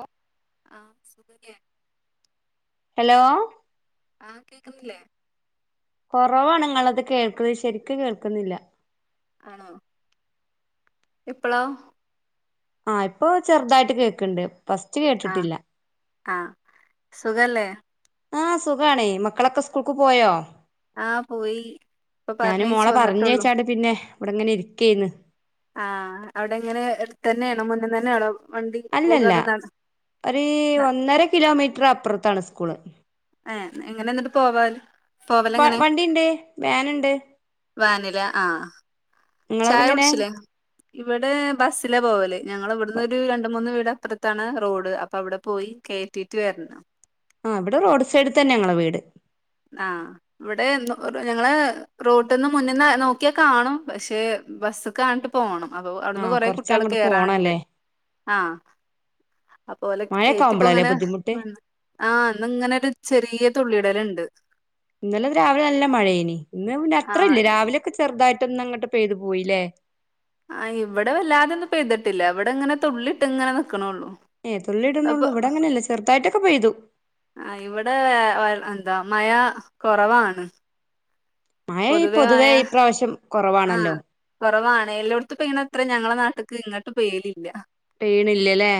ഓഹ് ആഹ് സുഖല്ലേ ഹലോ ആഹ് കേക്കുന്നില്ലേ? കൊറവാണങ്ങളത് കേൾക് ശരിക്കു കേൾക്കുന്നില്ല. ആണോ? ഇപ്പളോ? ആഹ് ഇപ്പൊ ചെറുതായിട്ട് കേക്ണ്ട്. ഫസ്റ്റ് ആഹ് കേട്ടിട്ടില്ല. ആഹ് സുഖല്ലേ ആഹ് സുഖാണെ മക്കളൊക്കെ സ്കൂക്ക് പോയോ? ആഹ് പോയി ഇപ്പൊ ഞാനും പറഞ്ഞയച്ചു മോളെ വന്നിട്ടുള്ളൂ പറഞ്ഞയച്ചാണ്ട് പിന്നെ ഇവിടെങ്ങനെ ഇരിക്കയ്ന്. ആഹ് അവിടെ എങ്ങനെ എടുത്തന്നേണോ മുന്നിന്നന്നേണോ അല്ലല്ല ഒരൂ ഒന്നര കിലോമീറ്റർ അപ്പുറ്ത്താണ് സ്കൂള്. ഏഹ് എങ്ങനെ ന്നിട്ട് പോവാൽ പോവലെങ്ങനെ? വണ്ടിണ്ട് വാനുണ്ട് വാനില ആഹ് ചായ നിങ്ങളതെങ്ങനെ കുടിച്ചില്ലേ ഇവിടെ ബസ്സില പോവല് ഞങ്ങളവിടന്നൊരു രണ്ട് മൂന്ന് വീട പറത്താണ് റോഡ് അപ്പൊ അവിടെ പോയി കെറ്റീട്ട് വരണം. ആഹ് ഇവടെ റോഡ് സൈഡ് തന്നെ ഞങ്ങളെ വീട്. ആഹ് ഇവിടെ ഞങ്ങള് റോട്ട്ന്ന് മുന്ന്ന്ന് നോക്കിയാ കാണും പക്ഷെ ബസ്സ്ക്കാണ്ട് പോണം അപ്പൊ ആ അവ്ട്ന്ന് കൊറേ കൊറച്ച് കുട്ട്യേള് അങ്ങോട്ട് കേറാണ്ട്. പോണല്ലേ ആഹ് അപ്പോ ഓലൊക്കെ മഴയൊക്കെ ആവുമ്പോളല്ലേ കയറ്റിപ്പ്ങ്ങനെ ബുദ്ധിമുട്ട് വന്ന് ആഹ് ഇന്ന്ങ്ങനൊര് ചെറിയ തുള്ളിടല്ണ്ട്. ഇന്നലെ രാവിലെ നല്ല മഴേനി ഇന്ന് പിന്നെ ആഹ് അത്രല്ല രാവിലെക്കെ ചെർതായി ട്ട്ന്നങ്ങ്ട്ട് പെയ്ത് പോയില്ലേ. ആഹ് ഇവടെ വല്ലാതൊന്നും പെയ്തിട്ടില്ല ഇവടെങ്ങനെ തുള്ളിട്ട് ങ്ങനെ നിക്ക് ഏഹ് തുള്ളി ട്‌ണൊള്ളു ഇവടങ്ങനല്ല ചെർ തായിട്ടൊക്കെ പെയ്തു. ആഹ് ഇവടെ എഹ് എന്താ മഴ കൊറവാണ്. മഴ പൊതുവേ മയ ഇപ്രാവശ്യം ആഹ് കുറവാണല്ലോ കൊറവാ ണ്. എല്ലോട്ത്തും പെയ്യ്ണത്ര ഞങ്ങളെ നാട്ട്ക്ക് ഇങ്ങട്ട് പെയ്യലില്ല. പെയ്യ്ണ്ല്ലല്ലേ.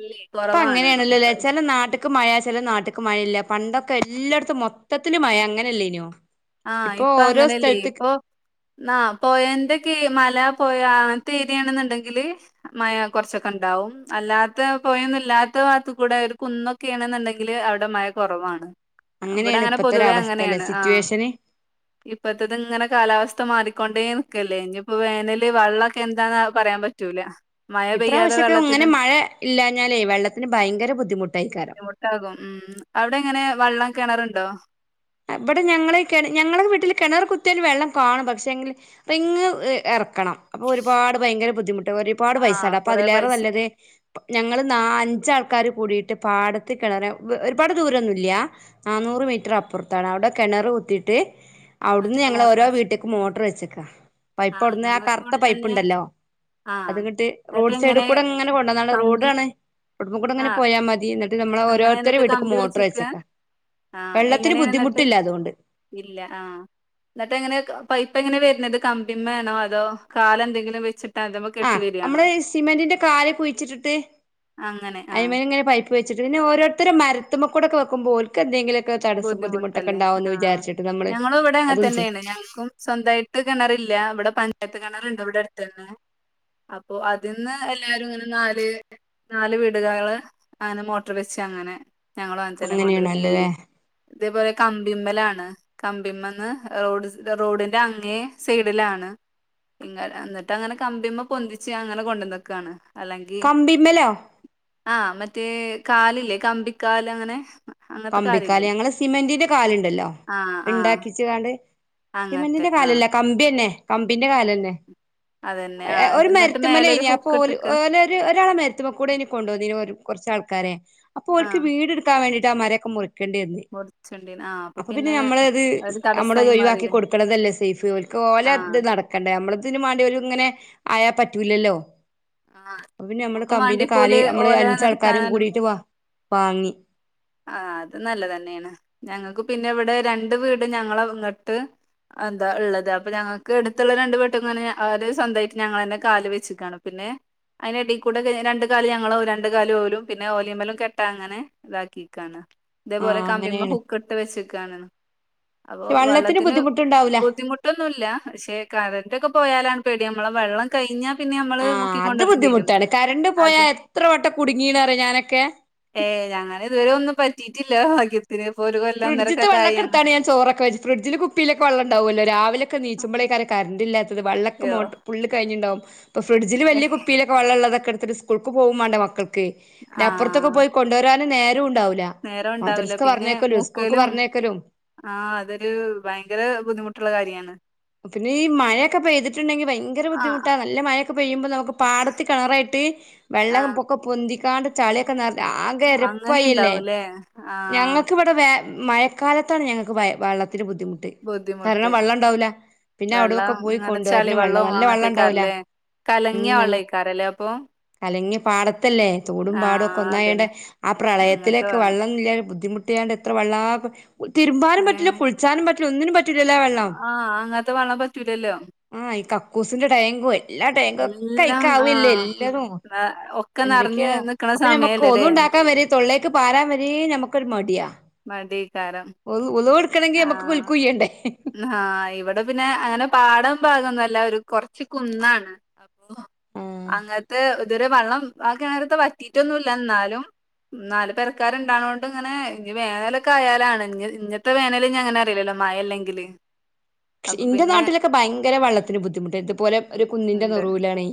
ഇല്ലേ പ്പ കൊറവാണ് ങ്ങനെണല്ലോല്ലേ ഇപ്രാവശ്യം ചെല നാട്ട്ക്ക് മഴ ചെല നാട്ട്ക്ക് മഴല്ല പണ്ടൊ ക്കെല്ലോട്ത്തും മൊത്തത്തില് മയ അങ്ങനല്ലേന്യോ? ആഹ് ഇപ്പങ്ങനല്ലേ ഇപ്പൊ ന്നാ പോയേൻ്റെക്കെ മല പൊഴ അങ്ങൻത്തെരിയാന്ന്ന്ന്ണ്ടെങ്കില് മഴ കൊറച്ചൊക്കെൻ ണ്ടാവും അല്ലാത്ത പോയൊന്നുല്ലാത്ത വാത്ത്ക്കൂടെ ഒര് കുന്നൊക്കെണെന്ന്ണ്ടെങ്കില് അവടെ മഴ കൊറവാണ്. ഇവട അങ്ങനെയാണ് ങ്ങനെ ഇപ്പത്തെ ഒരു പൊതുവേ അവസ്ഥ അല്ലെ അങ്ങനേണ് ആഹ് സിറ്റുവേഷന് ഇപ്പത്തത്ങ്ങനെ കാലാവസ് ഥ മാറിക്കൊണ്ടേ നിക്കല്ലേ ഇഞ്പ്പോ വേനല് വള്ളൊക്കെ എന്താന്നാ പറയാം പറ്റൂല. മഴ പെയ്യാതെ ഇപ്രാവശ്യോക്കെ ങ്ങനെ വെള്ളത്തിന് മഴ ഇല്ലാഞ്ഞാലേ വെള്ളത്തിന് ഭയങ്കര ബുദ്ധിമുട്ടേക്കാരം. ബുദ്ധിമുട്ടാകും ഉം അവടെ ങ്ങനെ വള്ളം കെണറ്ണ്ടോ? ഇബടെ ഞങ്ങള് കെണ ഞങ്ങളെ വീട്ടില് കെണറ് കുത്ത്യാല് വെള്ളം കാണും പക്ഷെങ്കില് റിങ്ങ് എഹ് എറ ക്കണം അപ്പൊ ഒരുപാട് ഭയങ്കര ബുദ്ധിമുട്ട ഒരുപാട് ആഹ് പൈസാണ്ടേ അപ്പൊ കൊറേ അതിലേറെ പൈസ നല്ലത് ഞങ്ങൾ നാ അഞ്ചാൾക്കാര് കൂടിട്ട് പാടത്ത് കെണറ് ഒരുപാട് ദൂരൊന്നുല്ല. ന്നാ നൂറ് മീറ്റർ അപ്പൊർ ത്താണ് അവടെ കെണർ കുത്തിട്ട് അവ്ട്ന്ന് അതില് ഞങ്ങള് മോട്ടർ ഓരോ വെച്ച് വീട്ട്ക്കും മോട്ടർ വെച്ചക്കാ. ആഹ് പൈപ്പവ്ട്ന്ന് ആ ഞങ്ങൾക്ക് കർത്ത ഇവിടെ തന്നെ പൈപ്പ്ണ്ടല്ലോ. ആഹ് അത്ങ്ങട്ട് എന്നിട്ട് റോഡ് സൈഡ് എങ്ങനെ കൂടെങ്ങനെ കൊണ്ടന്നാണ്ട്‌ കമ്പി റോഡാണ് ആ റോട്ട്മ്മക്കൂടെങ്ങനെ പോയാ മതി ഇന്നിട്ട് നമ്മളെ അങ്ങനെ ഓരോരുത്തരെ എന്നിട്ട് വീട്ട്ക്കും കമ്പി മോട്ടറ് വെച്ചക്കാ വെള്ളത്തിന് ബുദ്ധ് ന്നട്ട് ഇല്ല ആഹ് ഇന്നട്ടെങ്ങനെ പൈ പ്പങ്ങനെ വരുന്നത് കമ്പിമ്മേണോ അതോ കാലെന്തെങ്കിലും വെച്ചിട്ട് അതിമ്മ കെട്ടി ആഹ് വരികയാണോ നമ്മള് സിമന്റിന്റെ കാല് കുഴിച്ചിട്ടിട്ട് അങ്ങനെ ആ അയ്മലിങ്ങനെ പൈപ്പ് വെച്ചിട്ട് പിന്നെ ഓരോരുത്തര് മരത്തുമ്മക്കൂടൊക്കെ വെക്കുമ്പോ ഓൽക്ക് എന്തെങ്കിലൊക്ക് ബുദ്ധിമുട്ടല്ലേ ആഹ് നമ്മള് ഞങ്ങളും ഇവിടെ അങ്ങെനെ അതും ചെയ്യും തന്നെയാണ് ഞങ്ങൾക്കും സ്വന്തമായിട്ട് കിണറില്ല ഇവിടെ പഞ്ച് യത്ത് കിണറ്ണ്ട് ഇവടടുത്തന്നെ അപ്പൊ അതിന്ന് എല്ലാരും ഇങ്ങനെ നാല് നാല് വീടുകള് അങ്ങനെ മോട്ടർ വെച്ച് അങ്ങനെ ഞങ്ങളും അൻജനെ കൊണ്ട് വെപ്പ് അങ്ങനെയാണല്ലല്ലേ ഇതേപോലെ കമ്പിമ്മലാണ് കമ്പിമ്മേന്ന് റോഡ് സ് റോഡിന്റെ അങ്ങേ സൈഡിലാണ് ഇങ്ങ എന്നിട്ട് അങ്ങനെ കമ്പിമ്മെ പൊന്തിച്ച് അങ്ങനെ കൊണ്ടന്നക്കാണ് അല്ലെങ്കി കമ്പിമ്മലോ? ആഹ് മറ്റേ കാലില്ലേ കമ്പിക്കാല് അങ്ങനെ അങ്ങൻത്തെ കാലിൽ അല്ല ഞങ്ങള് സിമന്റിൻ്റെ കാല്ണ്ടല്ലോ ആഹ് ഇണ്ടാക്കിച്ച്കാണ്ട് അങ്ങനത്തെ സിമന്റിന്റെ ആഹ് കാലല്ല കമ്പിയാ ന്നെ കമ്പിന്റെ കാലെന്നെ അതെ അ ഒരു മരത്തുമ്മലേനി അപ്പൊ ഓല് ഓല് ഒരു ഒരാളെ മരത്ത്മ്മക്കുടേനി കൊണ്ടൊന്നീനെ കൊർച്ചാൾക്കാരെ [unintelligible] അപ്പൊ ഓൽക്ക് ആഹ് വീട് എട്ക്കാൻ വേണ്ടീട്ട് ആ മരൊക്കെ മുറി ക്കണ്ടി വന്ന്, അപ്പൊ പിന്നെ നമ്മളത് ഒരു സ് നമ്മളത് തടസ്സായി ഒഴിവാക്കി മാറില്ലേ കൊടുക്കണതല്ലേ സേഫ് ഓൽക്ക്‌ ആഹ് ഓലെത് നടക്കണ്ടേ നമ്മളതിന് മാണ്ടി ഓല് ഇങ്ങനെ ആയാ പറ്റൂലല്ലോ ആഹ് അപ്പ പിന്നെ നമ്മള് ഞമ്മക്കും കമ്പിന്റെ കാല് വാണ്ടിപ്പോല് അമ്മള് ഓലെ അഞ്ചാൾക്കാരും നിർത്താനും കൂടീട്ട് വാ വാങ്ങി ആഹ് അത് നല്ലതന്നെയാണ് ഞങ്ങക്ക് പിന്നെ ഇവിടെ രണ്ട് വീട് ഞങ്ങള ഇങ്ങട്ട് ആന്താ ഇള്ളത് അപ്പൊ ഞങ്ങക്ക് അടുത്തുള്ള രണ്ട്‌ വീട്ട്ക്കും ഇങ്ങനെ സ്വന്തമായിട്ട് ഞങ്ങളന്നെ കാല് വെച്ചക്കാണ് പിന്നെ അയിന്റെടീക്കൂടെ ക് രണ്ട്‌ കാല് ഞങ്ങളും രണ്ട് കാല് ഓലും പിന്നെ ഓലീമ്മലും കെട്ട അങ്ങനെ ഇതാക്കി. ക്കാണ്. ഇതേപോലെ ആഹ് കമ്പിമ്മ അങ്ങനെയാണ് ഹുക്കിട്ട് വെച്ചക്കാണ്. അപ്പൊ പക്ഷെ വെള്ളത്തിന് ബുദ്ധിമുട്ടുണ്ടാവൂല ബുദ്ധിമുട്ടൊന്നുല്ല. പക്ഷെ കരന്റൊക്കെ പൊ പോയാലാണ് പേടി അമ്മളെ വെള്ളം കഴിഞ്ഞാ പിന്നെ നമ്മള് ആഹ് അത് മുക്കിക്കൊണ്ടരേണ്ടി വരും ബുദ്ധിമുട്ടാണ് കരണ്ട് അത് പോയാ എത്ര വട്ടം കുടുങ്ങീണറിയൊ ഞാനൊക്കെ. ഏഹ് ഞങ്ങനിതുവരെ ഒന്നും പറ്റീട്ടില്ല ഭാഗ്യത്തിന് ഇപ്പൊ ഒരു കൊല്ലം ഒന്നര ഫ്രഡ്ജ്ത്തെ കൊല്ലായി വള്ളൊക്കെ അങ്ങനെ. എടുത്താണ് ഞാൻ ചോറൊക്കെ വെജ്. ഫ്രിഡ്ജില് കുപ്പിയിലൊക്കെ വള്ളണ്ടാവല്ലോ രാവിലെ ഒക്കെ നീച്ചുമ്പളേക്കാരം കര്ണ്ടില്ലാത്തത്. വള്ളക്ക് യോ മോ ഫുള്ള് കഴിഞ്ഞിണ്ടാവും. ഇപ്പോ ഫ്രഡ്ജില് വല്യ കുപ്പിയിലൊക്കെ വള്ളള്ളതൊക്കെ എട്ത്തിട്ട് സ്കൂൾക്ക് പോവും മാണ്ടേ മക്കൾക്ക്. ക്ക്. ന്നെപ്പർത്തൊക്കെ ആഹ് പോയി കൊണ്ടുവരാനും നേരും ഉണ്ടാവുല. മദ്രസ്ക് പറഞ്ഞേക്കലും സ് ക്കലും. ആഹ് അതൊരു ഭയങ്കര ബുദ്ധിമുട്ടുള്ള കാര്യാണ്. പിന്നെ ഈ മഴൊക്കെ പെയ്തിട്ടുണ്ടെങ്കിൽ ഭയങ്കര ആഹ് ബുദ്ധിമുട്ടാ നല്ല മഴൊക്കെ പെയ്യ്മ്പൊ നമുക്ക് പാടത്ത് കെണറെ ട്ട് വെള്ളെ ആഹ് പൊകം പൊന്തിക്കാണ്ട് ചാളിയൊക്കെ നർ ആകെ എരപ്പായല്ലേ. അങ്ങനെയുണ്ടാവൂലേ ആഹ് ഞങ്ങക്കിവടെ വേ മഴക്കാലത്താണ് ഞങ്ങക്ക് ഭായ വാള്ളത്തിന് ബുദ്ധിമുട്ട്. കാരണം ബുദ്ധിമുട്ട് വള്ളം ഇണ്ടാവൂല. പിന്നെ അവിടൊ ഒക്കെ വെള്ളം പോയി ഇങ്ങനെ കൊണ്ടുവരണം വള്ളം നല്ല വള്ളണ്ടാവൂല. കലങ്ങ്യയ വള്ളയ്ക്കാരല്ലേ അപ്പൊ കലങ്ങിയ് പാടത്തല്ലേ തോടും പാടൊക്കെ ആഹ് ഒന്നായേണ്ട അതന്നെ ആ പ്രളയത്തിലൊക്കെ വെള്ളം ന്നില്യ ബുദ്ധിമുട്ടിയാണ്ട് എത്ര വള്ളാ. തിരുമ്പാനും പറ്റില്ല ഏഹ് കുൾച്ചാനും പറ്റില്ല ഒന്നിനും പറ്റൂലല്ലോ ആ വെള്ളം. ആങ്ങത്തെ വള്ള പറ്റൂലല്ലോ. ആഹ് ഈ [unintelligible] എല്ലാ എല്ലാം ടേങ്കൊക്കയ്ക്കാവല്ലേ ആഹ് എല്ലതും. ഒക്കെ എന്തക്ക്യാ നിറഞ്ഞ് നിക്കണ അപ്പൊ ഞമ്മക്ക് സമയല്ലല്ലേ ഒളുണ്ടാക്ക ക്കാ വരെ തൊള്ളേക്ക് പാരാൻ വരേ ഞമ്മക്കൊരു മടിയാ. മടിയേക്കാരം ഒളു വുളൂഹ് ഇട്ക്കണങ്കി ഞമ്മക്ക് കുൽക്കുയ്യണ്ടേ ന്നഹാ ഇവടെ പിന്നെ അങ്ങനെ പാടം ഭാഗൊന്നല്ല ഒരു കൊർച്ച് കുന്നാണ്. ന്നു ആഹ് അങ്ങല്ത്തെ ഇതെരെ വെള്ളം ആ കിണർത്തെ വറ്റിട്ടൊന്നുല്ല ഇന്നാലും നാല് പേരക്കാർ ഇണ്ടാണുകൊണ്ട് ഇങ്ങനെ ഇനി വേനലൊക്കെ ആയാലാണ് ഇ ഇങ്ങത്തെ വേനല ഇ അങ്ങനെ അറിയില്ലല്ലോ മഴലങ്കില് ഇന്റെ നാട്ടിലൊക്കെ ഭയങ്കര വെള്ളത്തിന് ബുദ്ധിമുട്ട് ഇതുപോലെ ഒരു കുന്നിൻന്റെ ഉണ്ട് നറുവിലണ്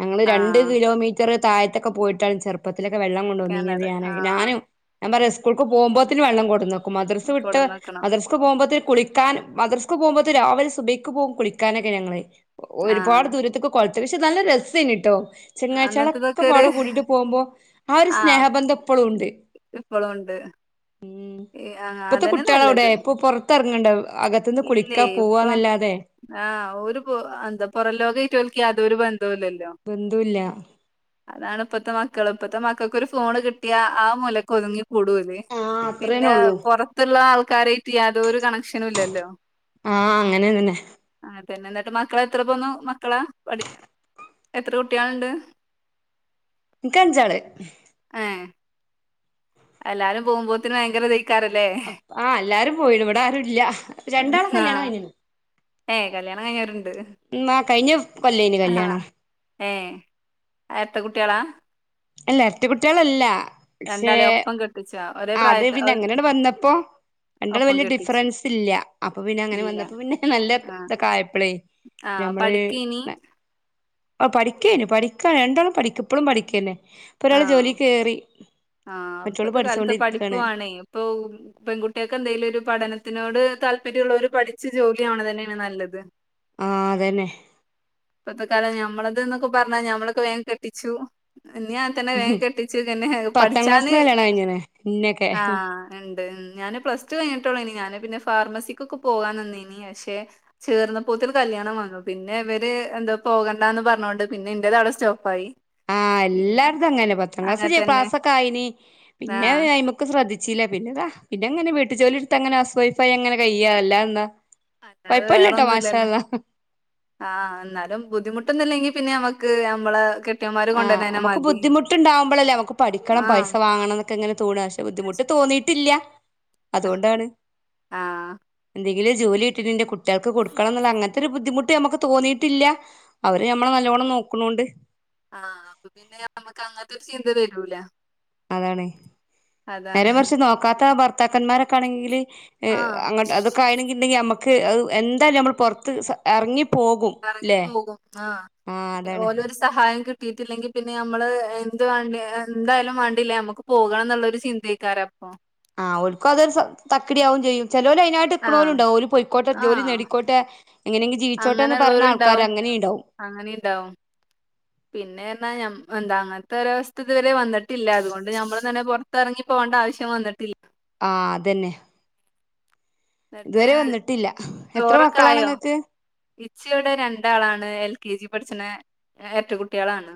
ഞങ്ങള്ൾ രണ്ട് ആഹ് കിലോമീറ്റർ താഴത്തൊക്കെ പോയിട്ടാണ് ചെറുപ്പം ഇപ്പത്തിലൊക്കെം കൊണ്ടുവന്ന കിണറ് ഇനി ആഹ് ഞാനും ഞാ പറയാ സ്കൂക്ക് പോക്പോഴേും വെള്ളം കൊടുന്നു മദ്രസ് വിട്ട് കൊടന്നക്കണം മദ്രസ് പോകുമ്പോ കുളിക്കാൻ മദ്ര പോുമ്പോ രാവിലെ സുബക്ക് പോകും കുളിക്കാനൊക്കെ ഞ ആഹ് ഒരുപാട് ദൂരത്ത അത്യാ പക്ഷെ നല്ല രസേന കട്ടോ ചെങ്ങാഴ്ചകളൊക്കെ അന്നത്തതൊക്കെ ഒരു പാടം കൂടിട്ട് പോകുമ്പോ ആ ഒരു സ്നേഹബന്ധം എപ്പോഴും ഉണ്ട് ഇപ്പോളും ഉണ്ട് ഉ ഈ ആ ഇപ്പത്തെ അതന്നെ കുട്ടികള അവിടെ നല്ലത് ഇപ്പൊ പുറത്തിറങ്ങണ്ട അകത്തന്ന് കുളിക്ക ല്ല ഇപ്പൊ ആ് ഒരു എന്താ പുൊറ ലോക ഇട്ട [unintelligible] പന്തലിയല്ലോ ബന്ധുല്ല അതണ് ഇപ്പത്തെ മക്കൾ മക്കള ഇപ്പത്തെ മക്കൾക്കൊ ഒരു ഫോൺ കിട്ടിയാ ആ മുലക്ക് ഒതുങ്ങി കൂടൂല്ലേ ആഹ് പിന്നെ അത്രേന്നെ ഉള്ളൂ പുൊറത്തുള്ള ആൾക്കാരായിട്ട് യാതൊോരു കണക്ഷനും ഇല്ലല്ലോ ആഹ് അങ്ങനെ അങ്ങനെ പിന്നെ എന്നിട്ട് മക്കള എത്ര പോന്നു മക്കളാ പഠ എത്ര കുട്ടികളുണ്ട് ഇക്ക്ഞ്ചാള് ഏഹ് എല്ലാരും പോകുമ്പോത്തനന് ഭയങ്കര ഇതേക്കാരല്ലേ ആ് എല്ലാരും പോയിട ഇവിടെ ആരുും ഇല്ല രണ്ടാള കല്യാണം കൈനു ഏ കല്യാണം കഴിഞ്ഞാരുണ്ട് ആഹ് കഴിഞ്ഞ കൊല്ലേനി ആഹാ കല്യാണം ഏ എത്ര കുട്ടികളാ അല്ല എരറ്റ കുട്ടികളല്ല പക്ഷേ രണ്ടാളേം ഒപ്പം കെട്ടിച്ചോ ഒരേ ആ അത് പ്രായക്കാ പിന്നെ അങ്ങനെ വന്നപ്പോൊ രണ്ടള ഒപ്പം വലിയ കെട്ടിച്ചോ ഡിഫറൻസ് ഇല്ല അപ്പൊ പിന്നെ അങ്ങനെ ഇല്ല വന്നപ്പോ പിന്നെ നല്ല ആഹ് ഇതൊക്കായപ്പളേ ആഹ് നമ്മള് പഠിക്കേനി പഠി പഠിക്കേ പഠിക്കൻ രണ്ടോളണം പഠിക്കപ്പഴും പഠിക്കല്ലേ ഇപ്പൊ ഒരാള് ആഹ് ജോലി ക കേറി മറ്റള് പഠിച്ചോണ്ടിരിക പഠിപ്പുണ ഇപ്പ പെൺകുട്ടികൾക്കെ എന്തെലും ഒരു പഠന ത്തിനോട് താല്പര്യമുള്ളവര് പഠിച്ച ജോലിയാണ് തന്നെയാണ് നല്ലത് ആഹ അതന്നെ ഇപ്പത്തെ കാലം ഞമ്മളത് എന്നൊക്കെ പറഞ്ഞാ ഞമ്മളൊക്കെ വേഗ കെട്ടിച്ചു ഇൻഇഞ്ഞീം അങ്ങ തന്നെ വേഗ കെട്ടിച് പിന്നെ പത്താം പഠിചാന് ക്ലാസ്സിന്ന് - കല്യാണം കഴിഞ്ഞ്ണ് ഇന്നെക്കെ - ആഹ് ഉണ്ട് ഞാന് പ്ലസ് ടു കഴിഞ്ഞി ട്ടോളൂ അയ്നിംഇനി ഞാന് പിന്നെ ഫാർമസിക്കൊക്കെ പോകൻനിന്നീനിം പിന്നെ ഇവര് പക്ഷെ ചേർന്ന പോത്തൊരു കല്യാണം വന്നു പിന്നെ ഇവര് എന്താ പോകണ്ടാന്ന് പറഞ്ഞോണ്ട് പിന്നെന്റതവിടെ സ്റ്റോപ്പ് ആായി. ആഹ് എല്ലാരും അങ്ങനെപത്താം അങ്ങനെ ക്ലാസ് തന്നെ പാസ്സൊക്കെ ആയിനിം ആഹ് പിന്നെയ്മക്ക് ശ്രദ്ധി ചിലവിനെന്താ പിന്നെ ഇങ്ങന വീട്ടു ജോലി ടുത്ത് അങ്ങനെ കയ്യ് ഹൗസ് വൈഫായി അങ്ങനെ കയ്യാ അല്ലാതെ എന്താ അല്ലാെ വേറെൊന്നുംല്ലല്ലേ ആഹ ഇന്നാലും ബുദ്ധിമുട്ടൊന്നുംല്ലെങ്കി പിന്നെ നമ്മക്ക് നമ്മള ആ നമ്മക്ക് ബുദിമട്ടുണ്ടാകുമ്മ്പ ളല്ലേ നമുക്ക് പഠിക്കണം ആഹ് പൈസ വാണം എന്നക്കെങ്ങനെ തോന്നാ പക്ഷെ ബുദ്ധിമുട്ട് തോന്നി തോന്നിയിട്ടില്ല. അതുകൊണ്ടാണ് ആഹ് എന്തെ - - ജോലി കിട്ടിട്ട് കുട്ട്യാൾക്ക് കൊടുക്കണം ന്ന് അങ്ങനത്തെ ഒരു ബുദ്ധിമുട്ട് നമക്ക് തോന്നിയിട്ടില്ല അവര് നമ്മളെ നല്ലോണ നോക്ക്ണോണ്ട് ആഹ അപ്പൊ പിന്നെ നമക്ക് അങ്ങൻത്തെ ഒരു ചിന്ത വരൂല. അതാണ് നേരെ അതാണ് മറിച്ച് നോക്കാത്ത ഭർത്താക്കന്മാരൊക്കൊണെങ്കില്. അ ആഹ് അതൊക്കെ ആയിണെങ്കിൽ നമ്മുക്ക് എന്തായാലും നമ്മൾ പുറത്ത് ഇറങ്ങി പോ എറങ്ങി പോകും ആ ആഹ് അതാണ് ഓരോരു സഹായം കിട്ടി കിട്ടിട്ടില്ലെങ്കി പിന്നെ നമ്മള് എന്ത് വാണ്ട എന്തായാലും വേണ്ടില്ല നമ്മക്ക് പോകണം എന്നുള്ളരു ചിന്തയ്ക്കാരം അപ്പൊ. ആഹ് ഓല്ക്ക് അതൊരു തക്കിടിയാക്കും ചെയ്യും. ചെലോല് അയ്നായിട്ട് നിക്ക്ണോലും ആഹ് ണ്ടാകും ഓല് പോയിക്കോട്ടെ ജോലി ആഹ് നേടിക്കോട്ടെ എങ്ങനെങ്കിലും ജീവിച്ചോട്ടെ ന്ന് പറയുന്ന ആൾക്കാാര് അങ്ങനെള്ളോരുണ്ടാവും അങ്ങനെണ്ടാകും. പിന്നൊ പർഞ്ഞാല് അങ്ങനത്തെ ഒരസ്ഥ ഇതുവരെ വന്നിട്ടില്ല അതുകൊണ്ട് നഞമ്മൾ തന്നെ പുറത്ത്റങ്ങിപ്പോ ണ്ട ആവശ്യം വന്നിട്ടില്ല. ആ അതന്നെ. എന്നിട്ട് ഇതുവരെ വന്നിട്ടില്ല എത്ര ചോറൊക്കെ മക്കളാണ് ആയ. ഇങ്ങക്ക് ഇച്ച്‌വടെ രണ്ടാളാണ് എൽ കെ ജി പഠിച്ണെ എരട്ടകുട്ടിളാണ്.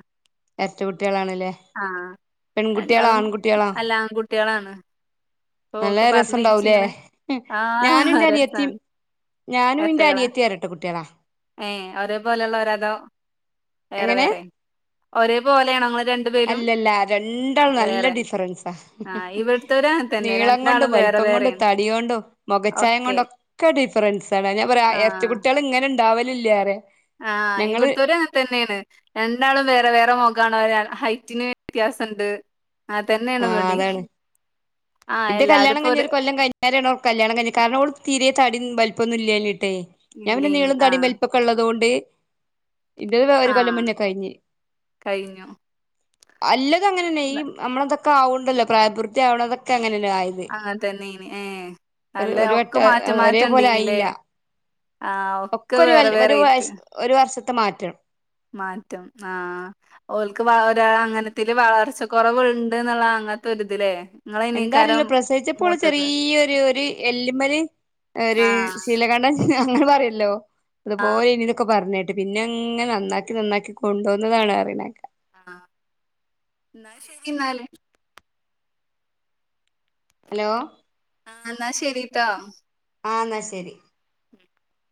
എരട്ട കുട്ട്യാളാണ്ല്ലേ ആഹ പെൺകുട്ട്യാളോ രണ്ടാളും ആൺകുട്ട്യാളോ അല്ലാംകു കുട്ടിളാണ് നല്ല രസംണ്ടാവുലേ ഉം ഞാനും ആഹ് ഇന്റെ അനിയത്തി രസാണ് ഞാനും ഇന്റെ അനിയത്തി എരട്ടെ കുട്ടിളാ ഏ ഒരേ പോലെയുള്ളോരാ അതോ വേറെ എങ്ങനെ വേറെ ഒരേ പോലെ ആണോ ങ്ങൾ അല്ലല്ല രണ്ടാളുംനല്ല ഡിഫറൻസാ ആഹ് ഇവിടുത്തോരും അങ്ങനെ തന്നെ നീളം രണ്ടാളും കൊണ്ടും വലിപ്പം വേറെ കൊണ്ടും. പ്പം കൊണ്ടും വേറെയാണ് തടിയകൊണ്ടും മുഖച്ചായം ഒക്കെ കൊണ്ടൊക്കെ ഡിഫറ ഫ്രണ്ട്സാണ്ണ് ഞാൻ പറയാ ഇരട്ട ആഹ് കുട്ടീൾ ഇങ്ങനെ ഉണ്ടാകലില്ല പറെ ആഹ് ഇവിടത്തെര് അങ്ങനെ തന്നെയാണ് രണ്ടാളും വേറെ വേറെ മൊ കോണാര ഹൈറ്റിന് വ്യത്യാസ ഉണ്ട് അ തന്നെയാണ് ഇവടീം. എന്റെ കല്യാണം കഞ്ഞഞ് ഒരു കൊല്ലം കൈ ഞ്ഞാരെയാണ് കല്യാണ കയ്ഞ്ഞെ കാരണം ഓള് തീരെ തട്ടീ വലിപ്പൊന്നുല്ലയ്നിം. തെ ഞാൻ പിന്നെ ഇല്ലേനി നീളംതടി ആഹ് വലിപ്പൊക്കെ ഉള്ളതോണ്ട് ഇന്റെത് ഒരു കൊല്ലം ആഹ് മുന്നേ കഴിഞ്ഞെ. കഴിഞ്ഞു എല്ലതും അങ്ങനെന്നെ ഈ ന- നമ്മള ഇതൊക്കെ ആുകണ്ടല്ലോ പ്രായപൂർത്തി ആവുന്നതൊക്കെ അങ്ങനെല്ല ആയത് അങ്ങനെ തന്നെനി ഏഹ് ഒരു അല്ല ഒരു വട്ട ഒക്കെ മാറ്റം ഒരേ മാറ്റം പോലെ ഉണ്ടീനില്ലേ ആയില്ല. ആഹ് ഒക്കെ ഒരു വ വേറെ ഒരു വേറെ വയ ആയിട്ട് ഒരു വർഷത്തെ മാറ്റം. മാറ്റം ആഹ ഓല്ക്ക് ഒരാൾ അങ്ങനത്തി വളർച്ച കെറവുണ്ട് ന്നുള്ള അങ്ങത്തൊരുത്‌ല്ലേ. എന്താഅറീല്ല പ്രസവിച്ചപള് ഓള് ചെറിയരു ഒരു എല്ലിമ്മല് ഒരു ആഹ് ശീലകണ്ട അങ്ങനെ പറയല്ലോ അതുപോലെ അയ്നിം ന്നൊക്കെഇ പറഞ്ഞേട്ട്. പിന്നെ അങ്ങനെ നന്നാക്കി നന്നാക്കി കൊണ്ടുോന്നതാണ് പറീണത് കേക്കാ ആഹ എന്നാ ശരി എന്നാലേ ഹലോ ആ എന്നാ ശരി ട്ടോ ആ എന്നാ ശരി ഉം [inaudible]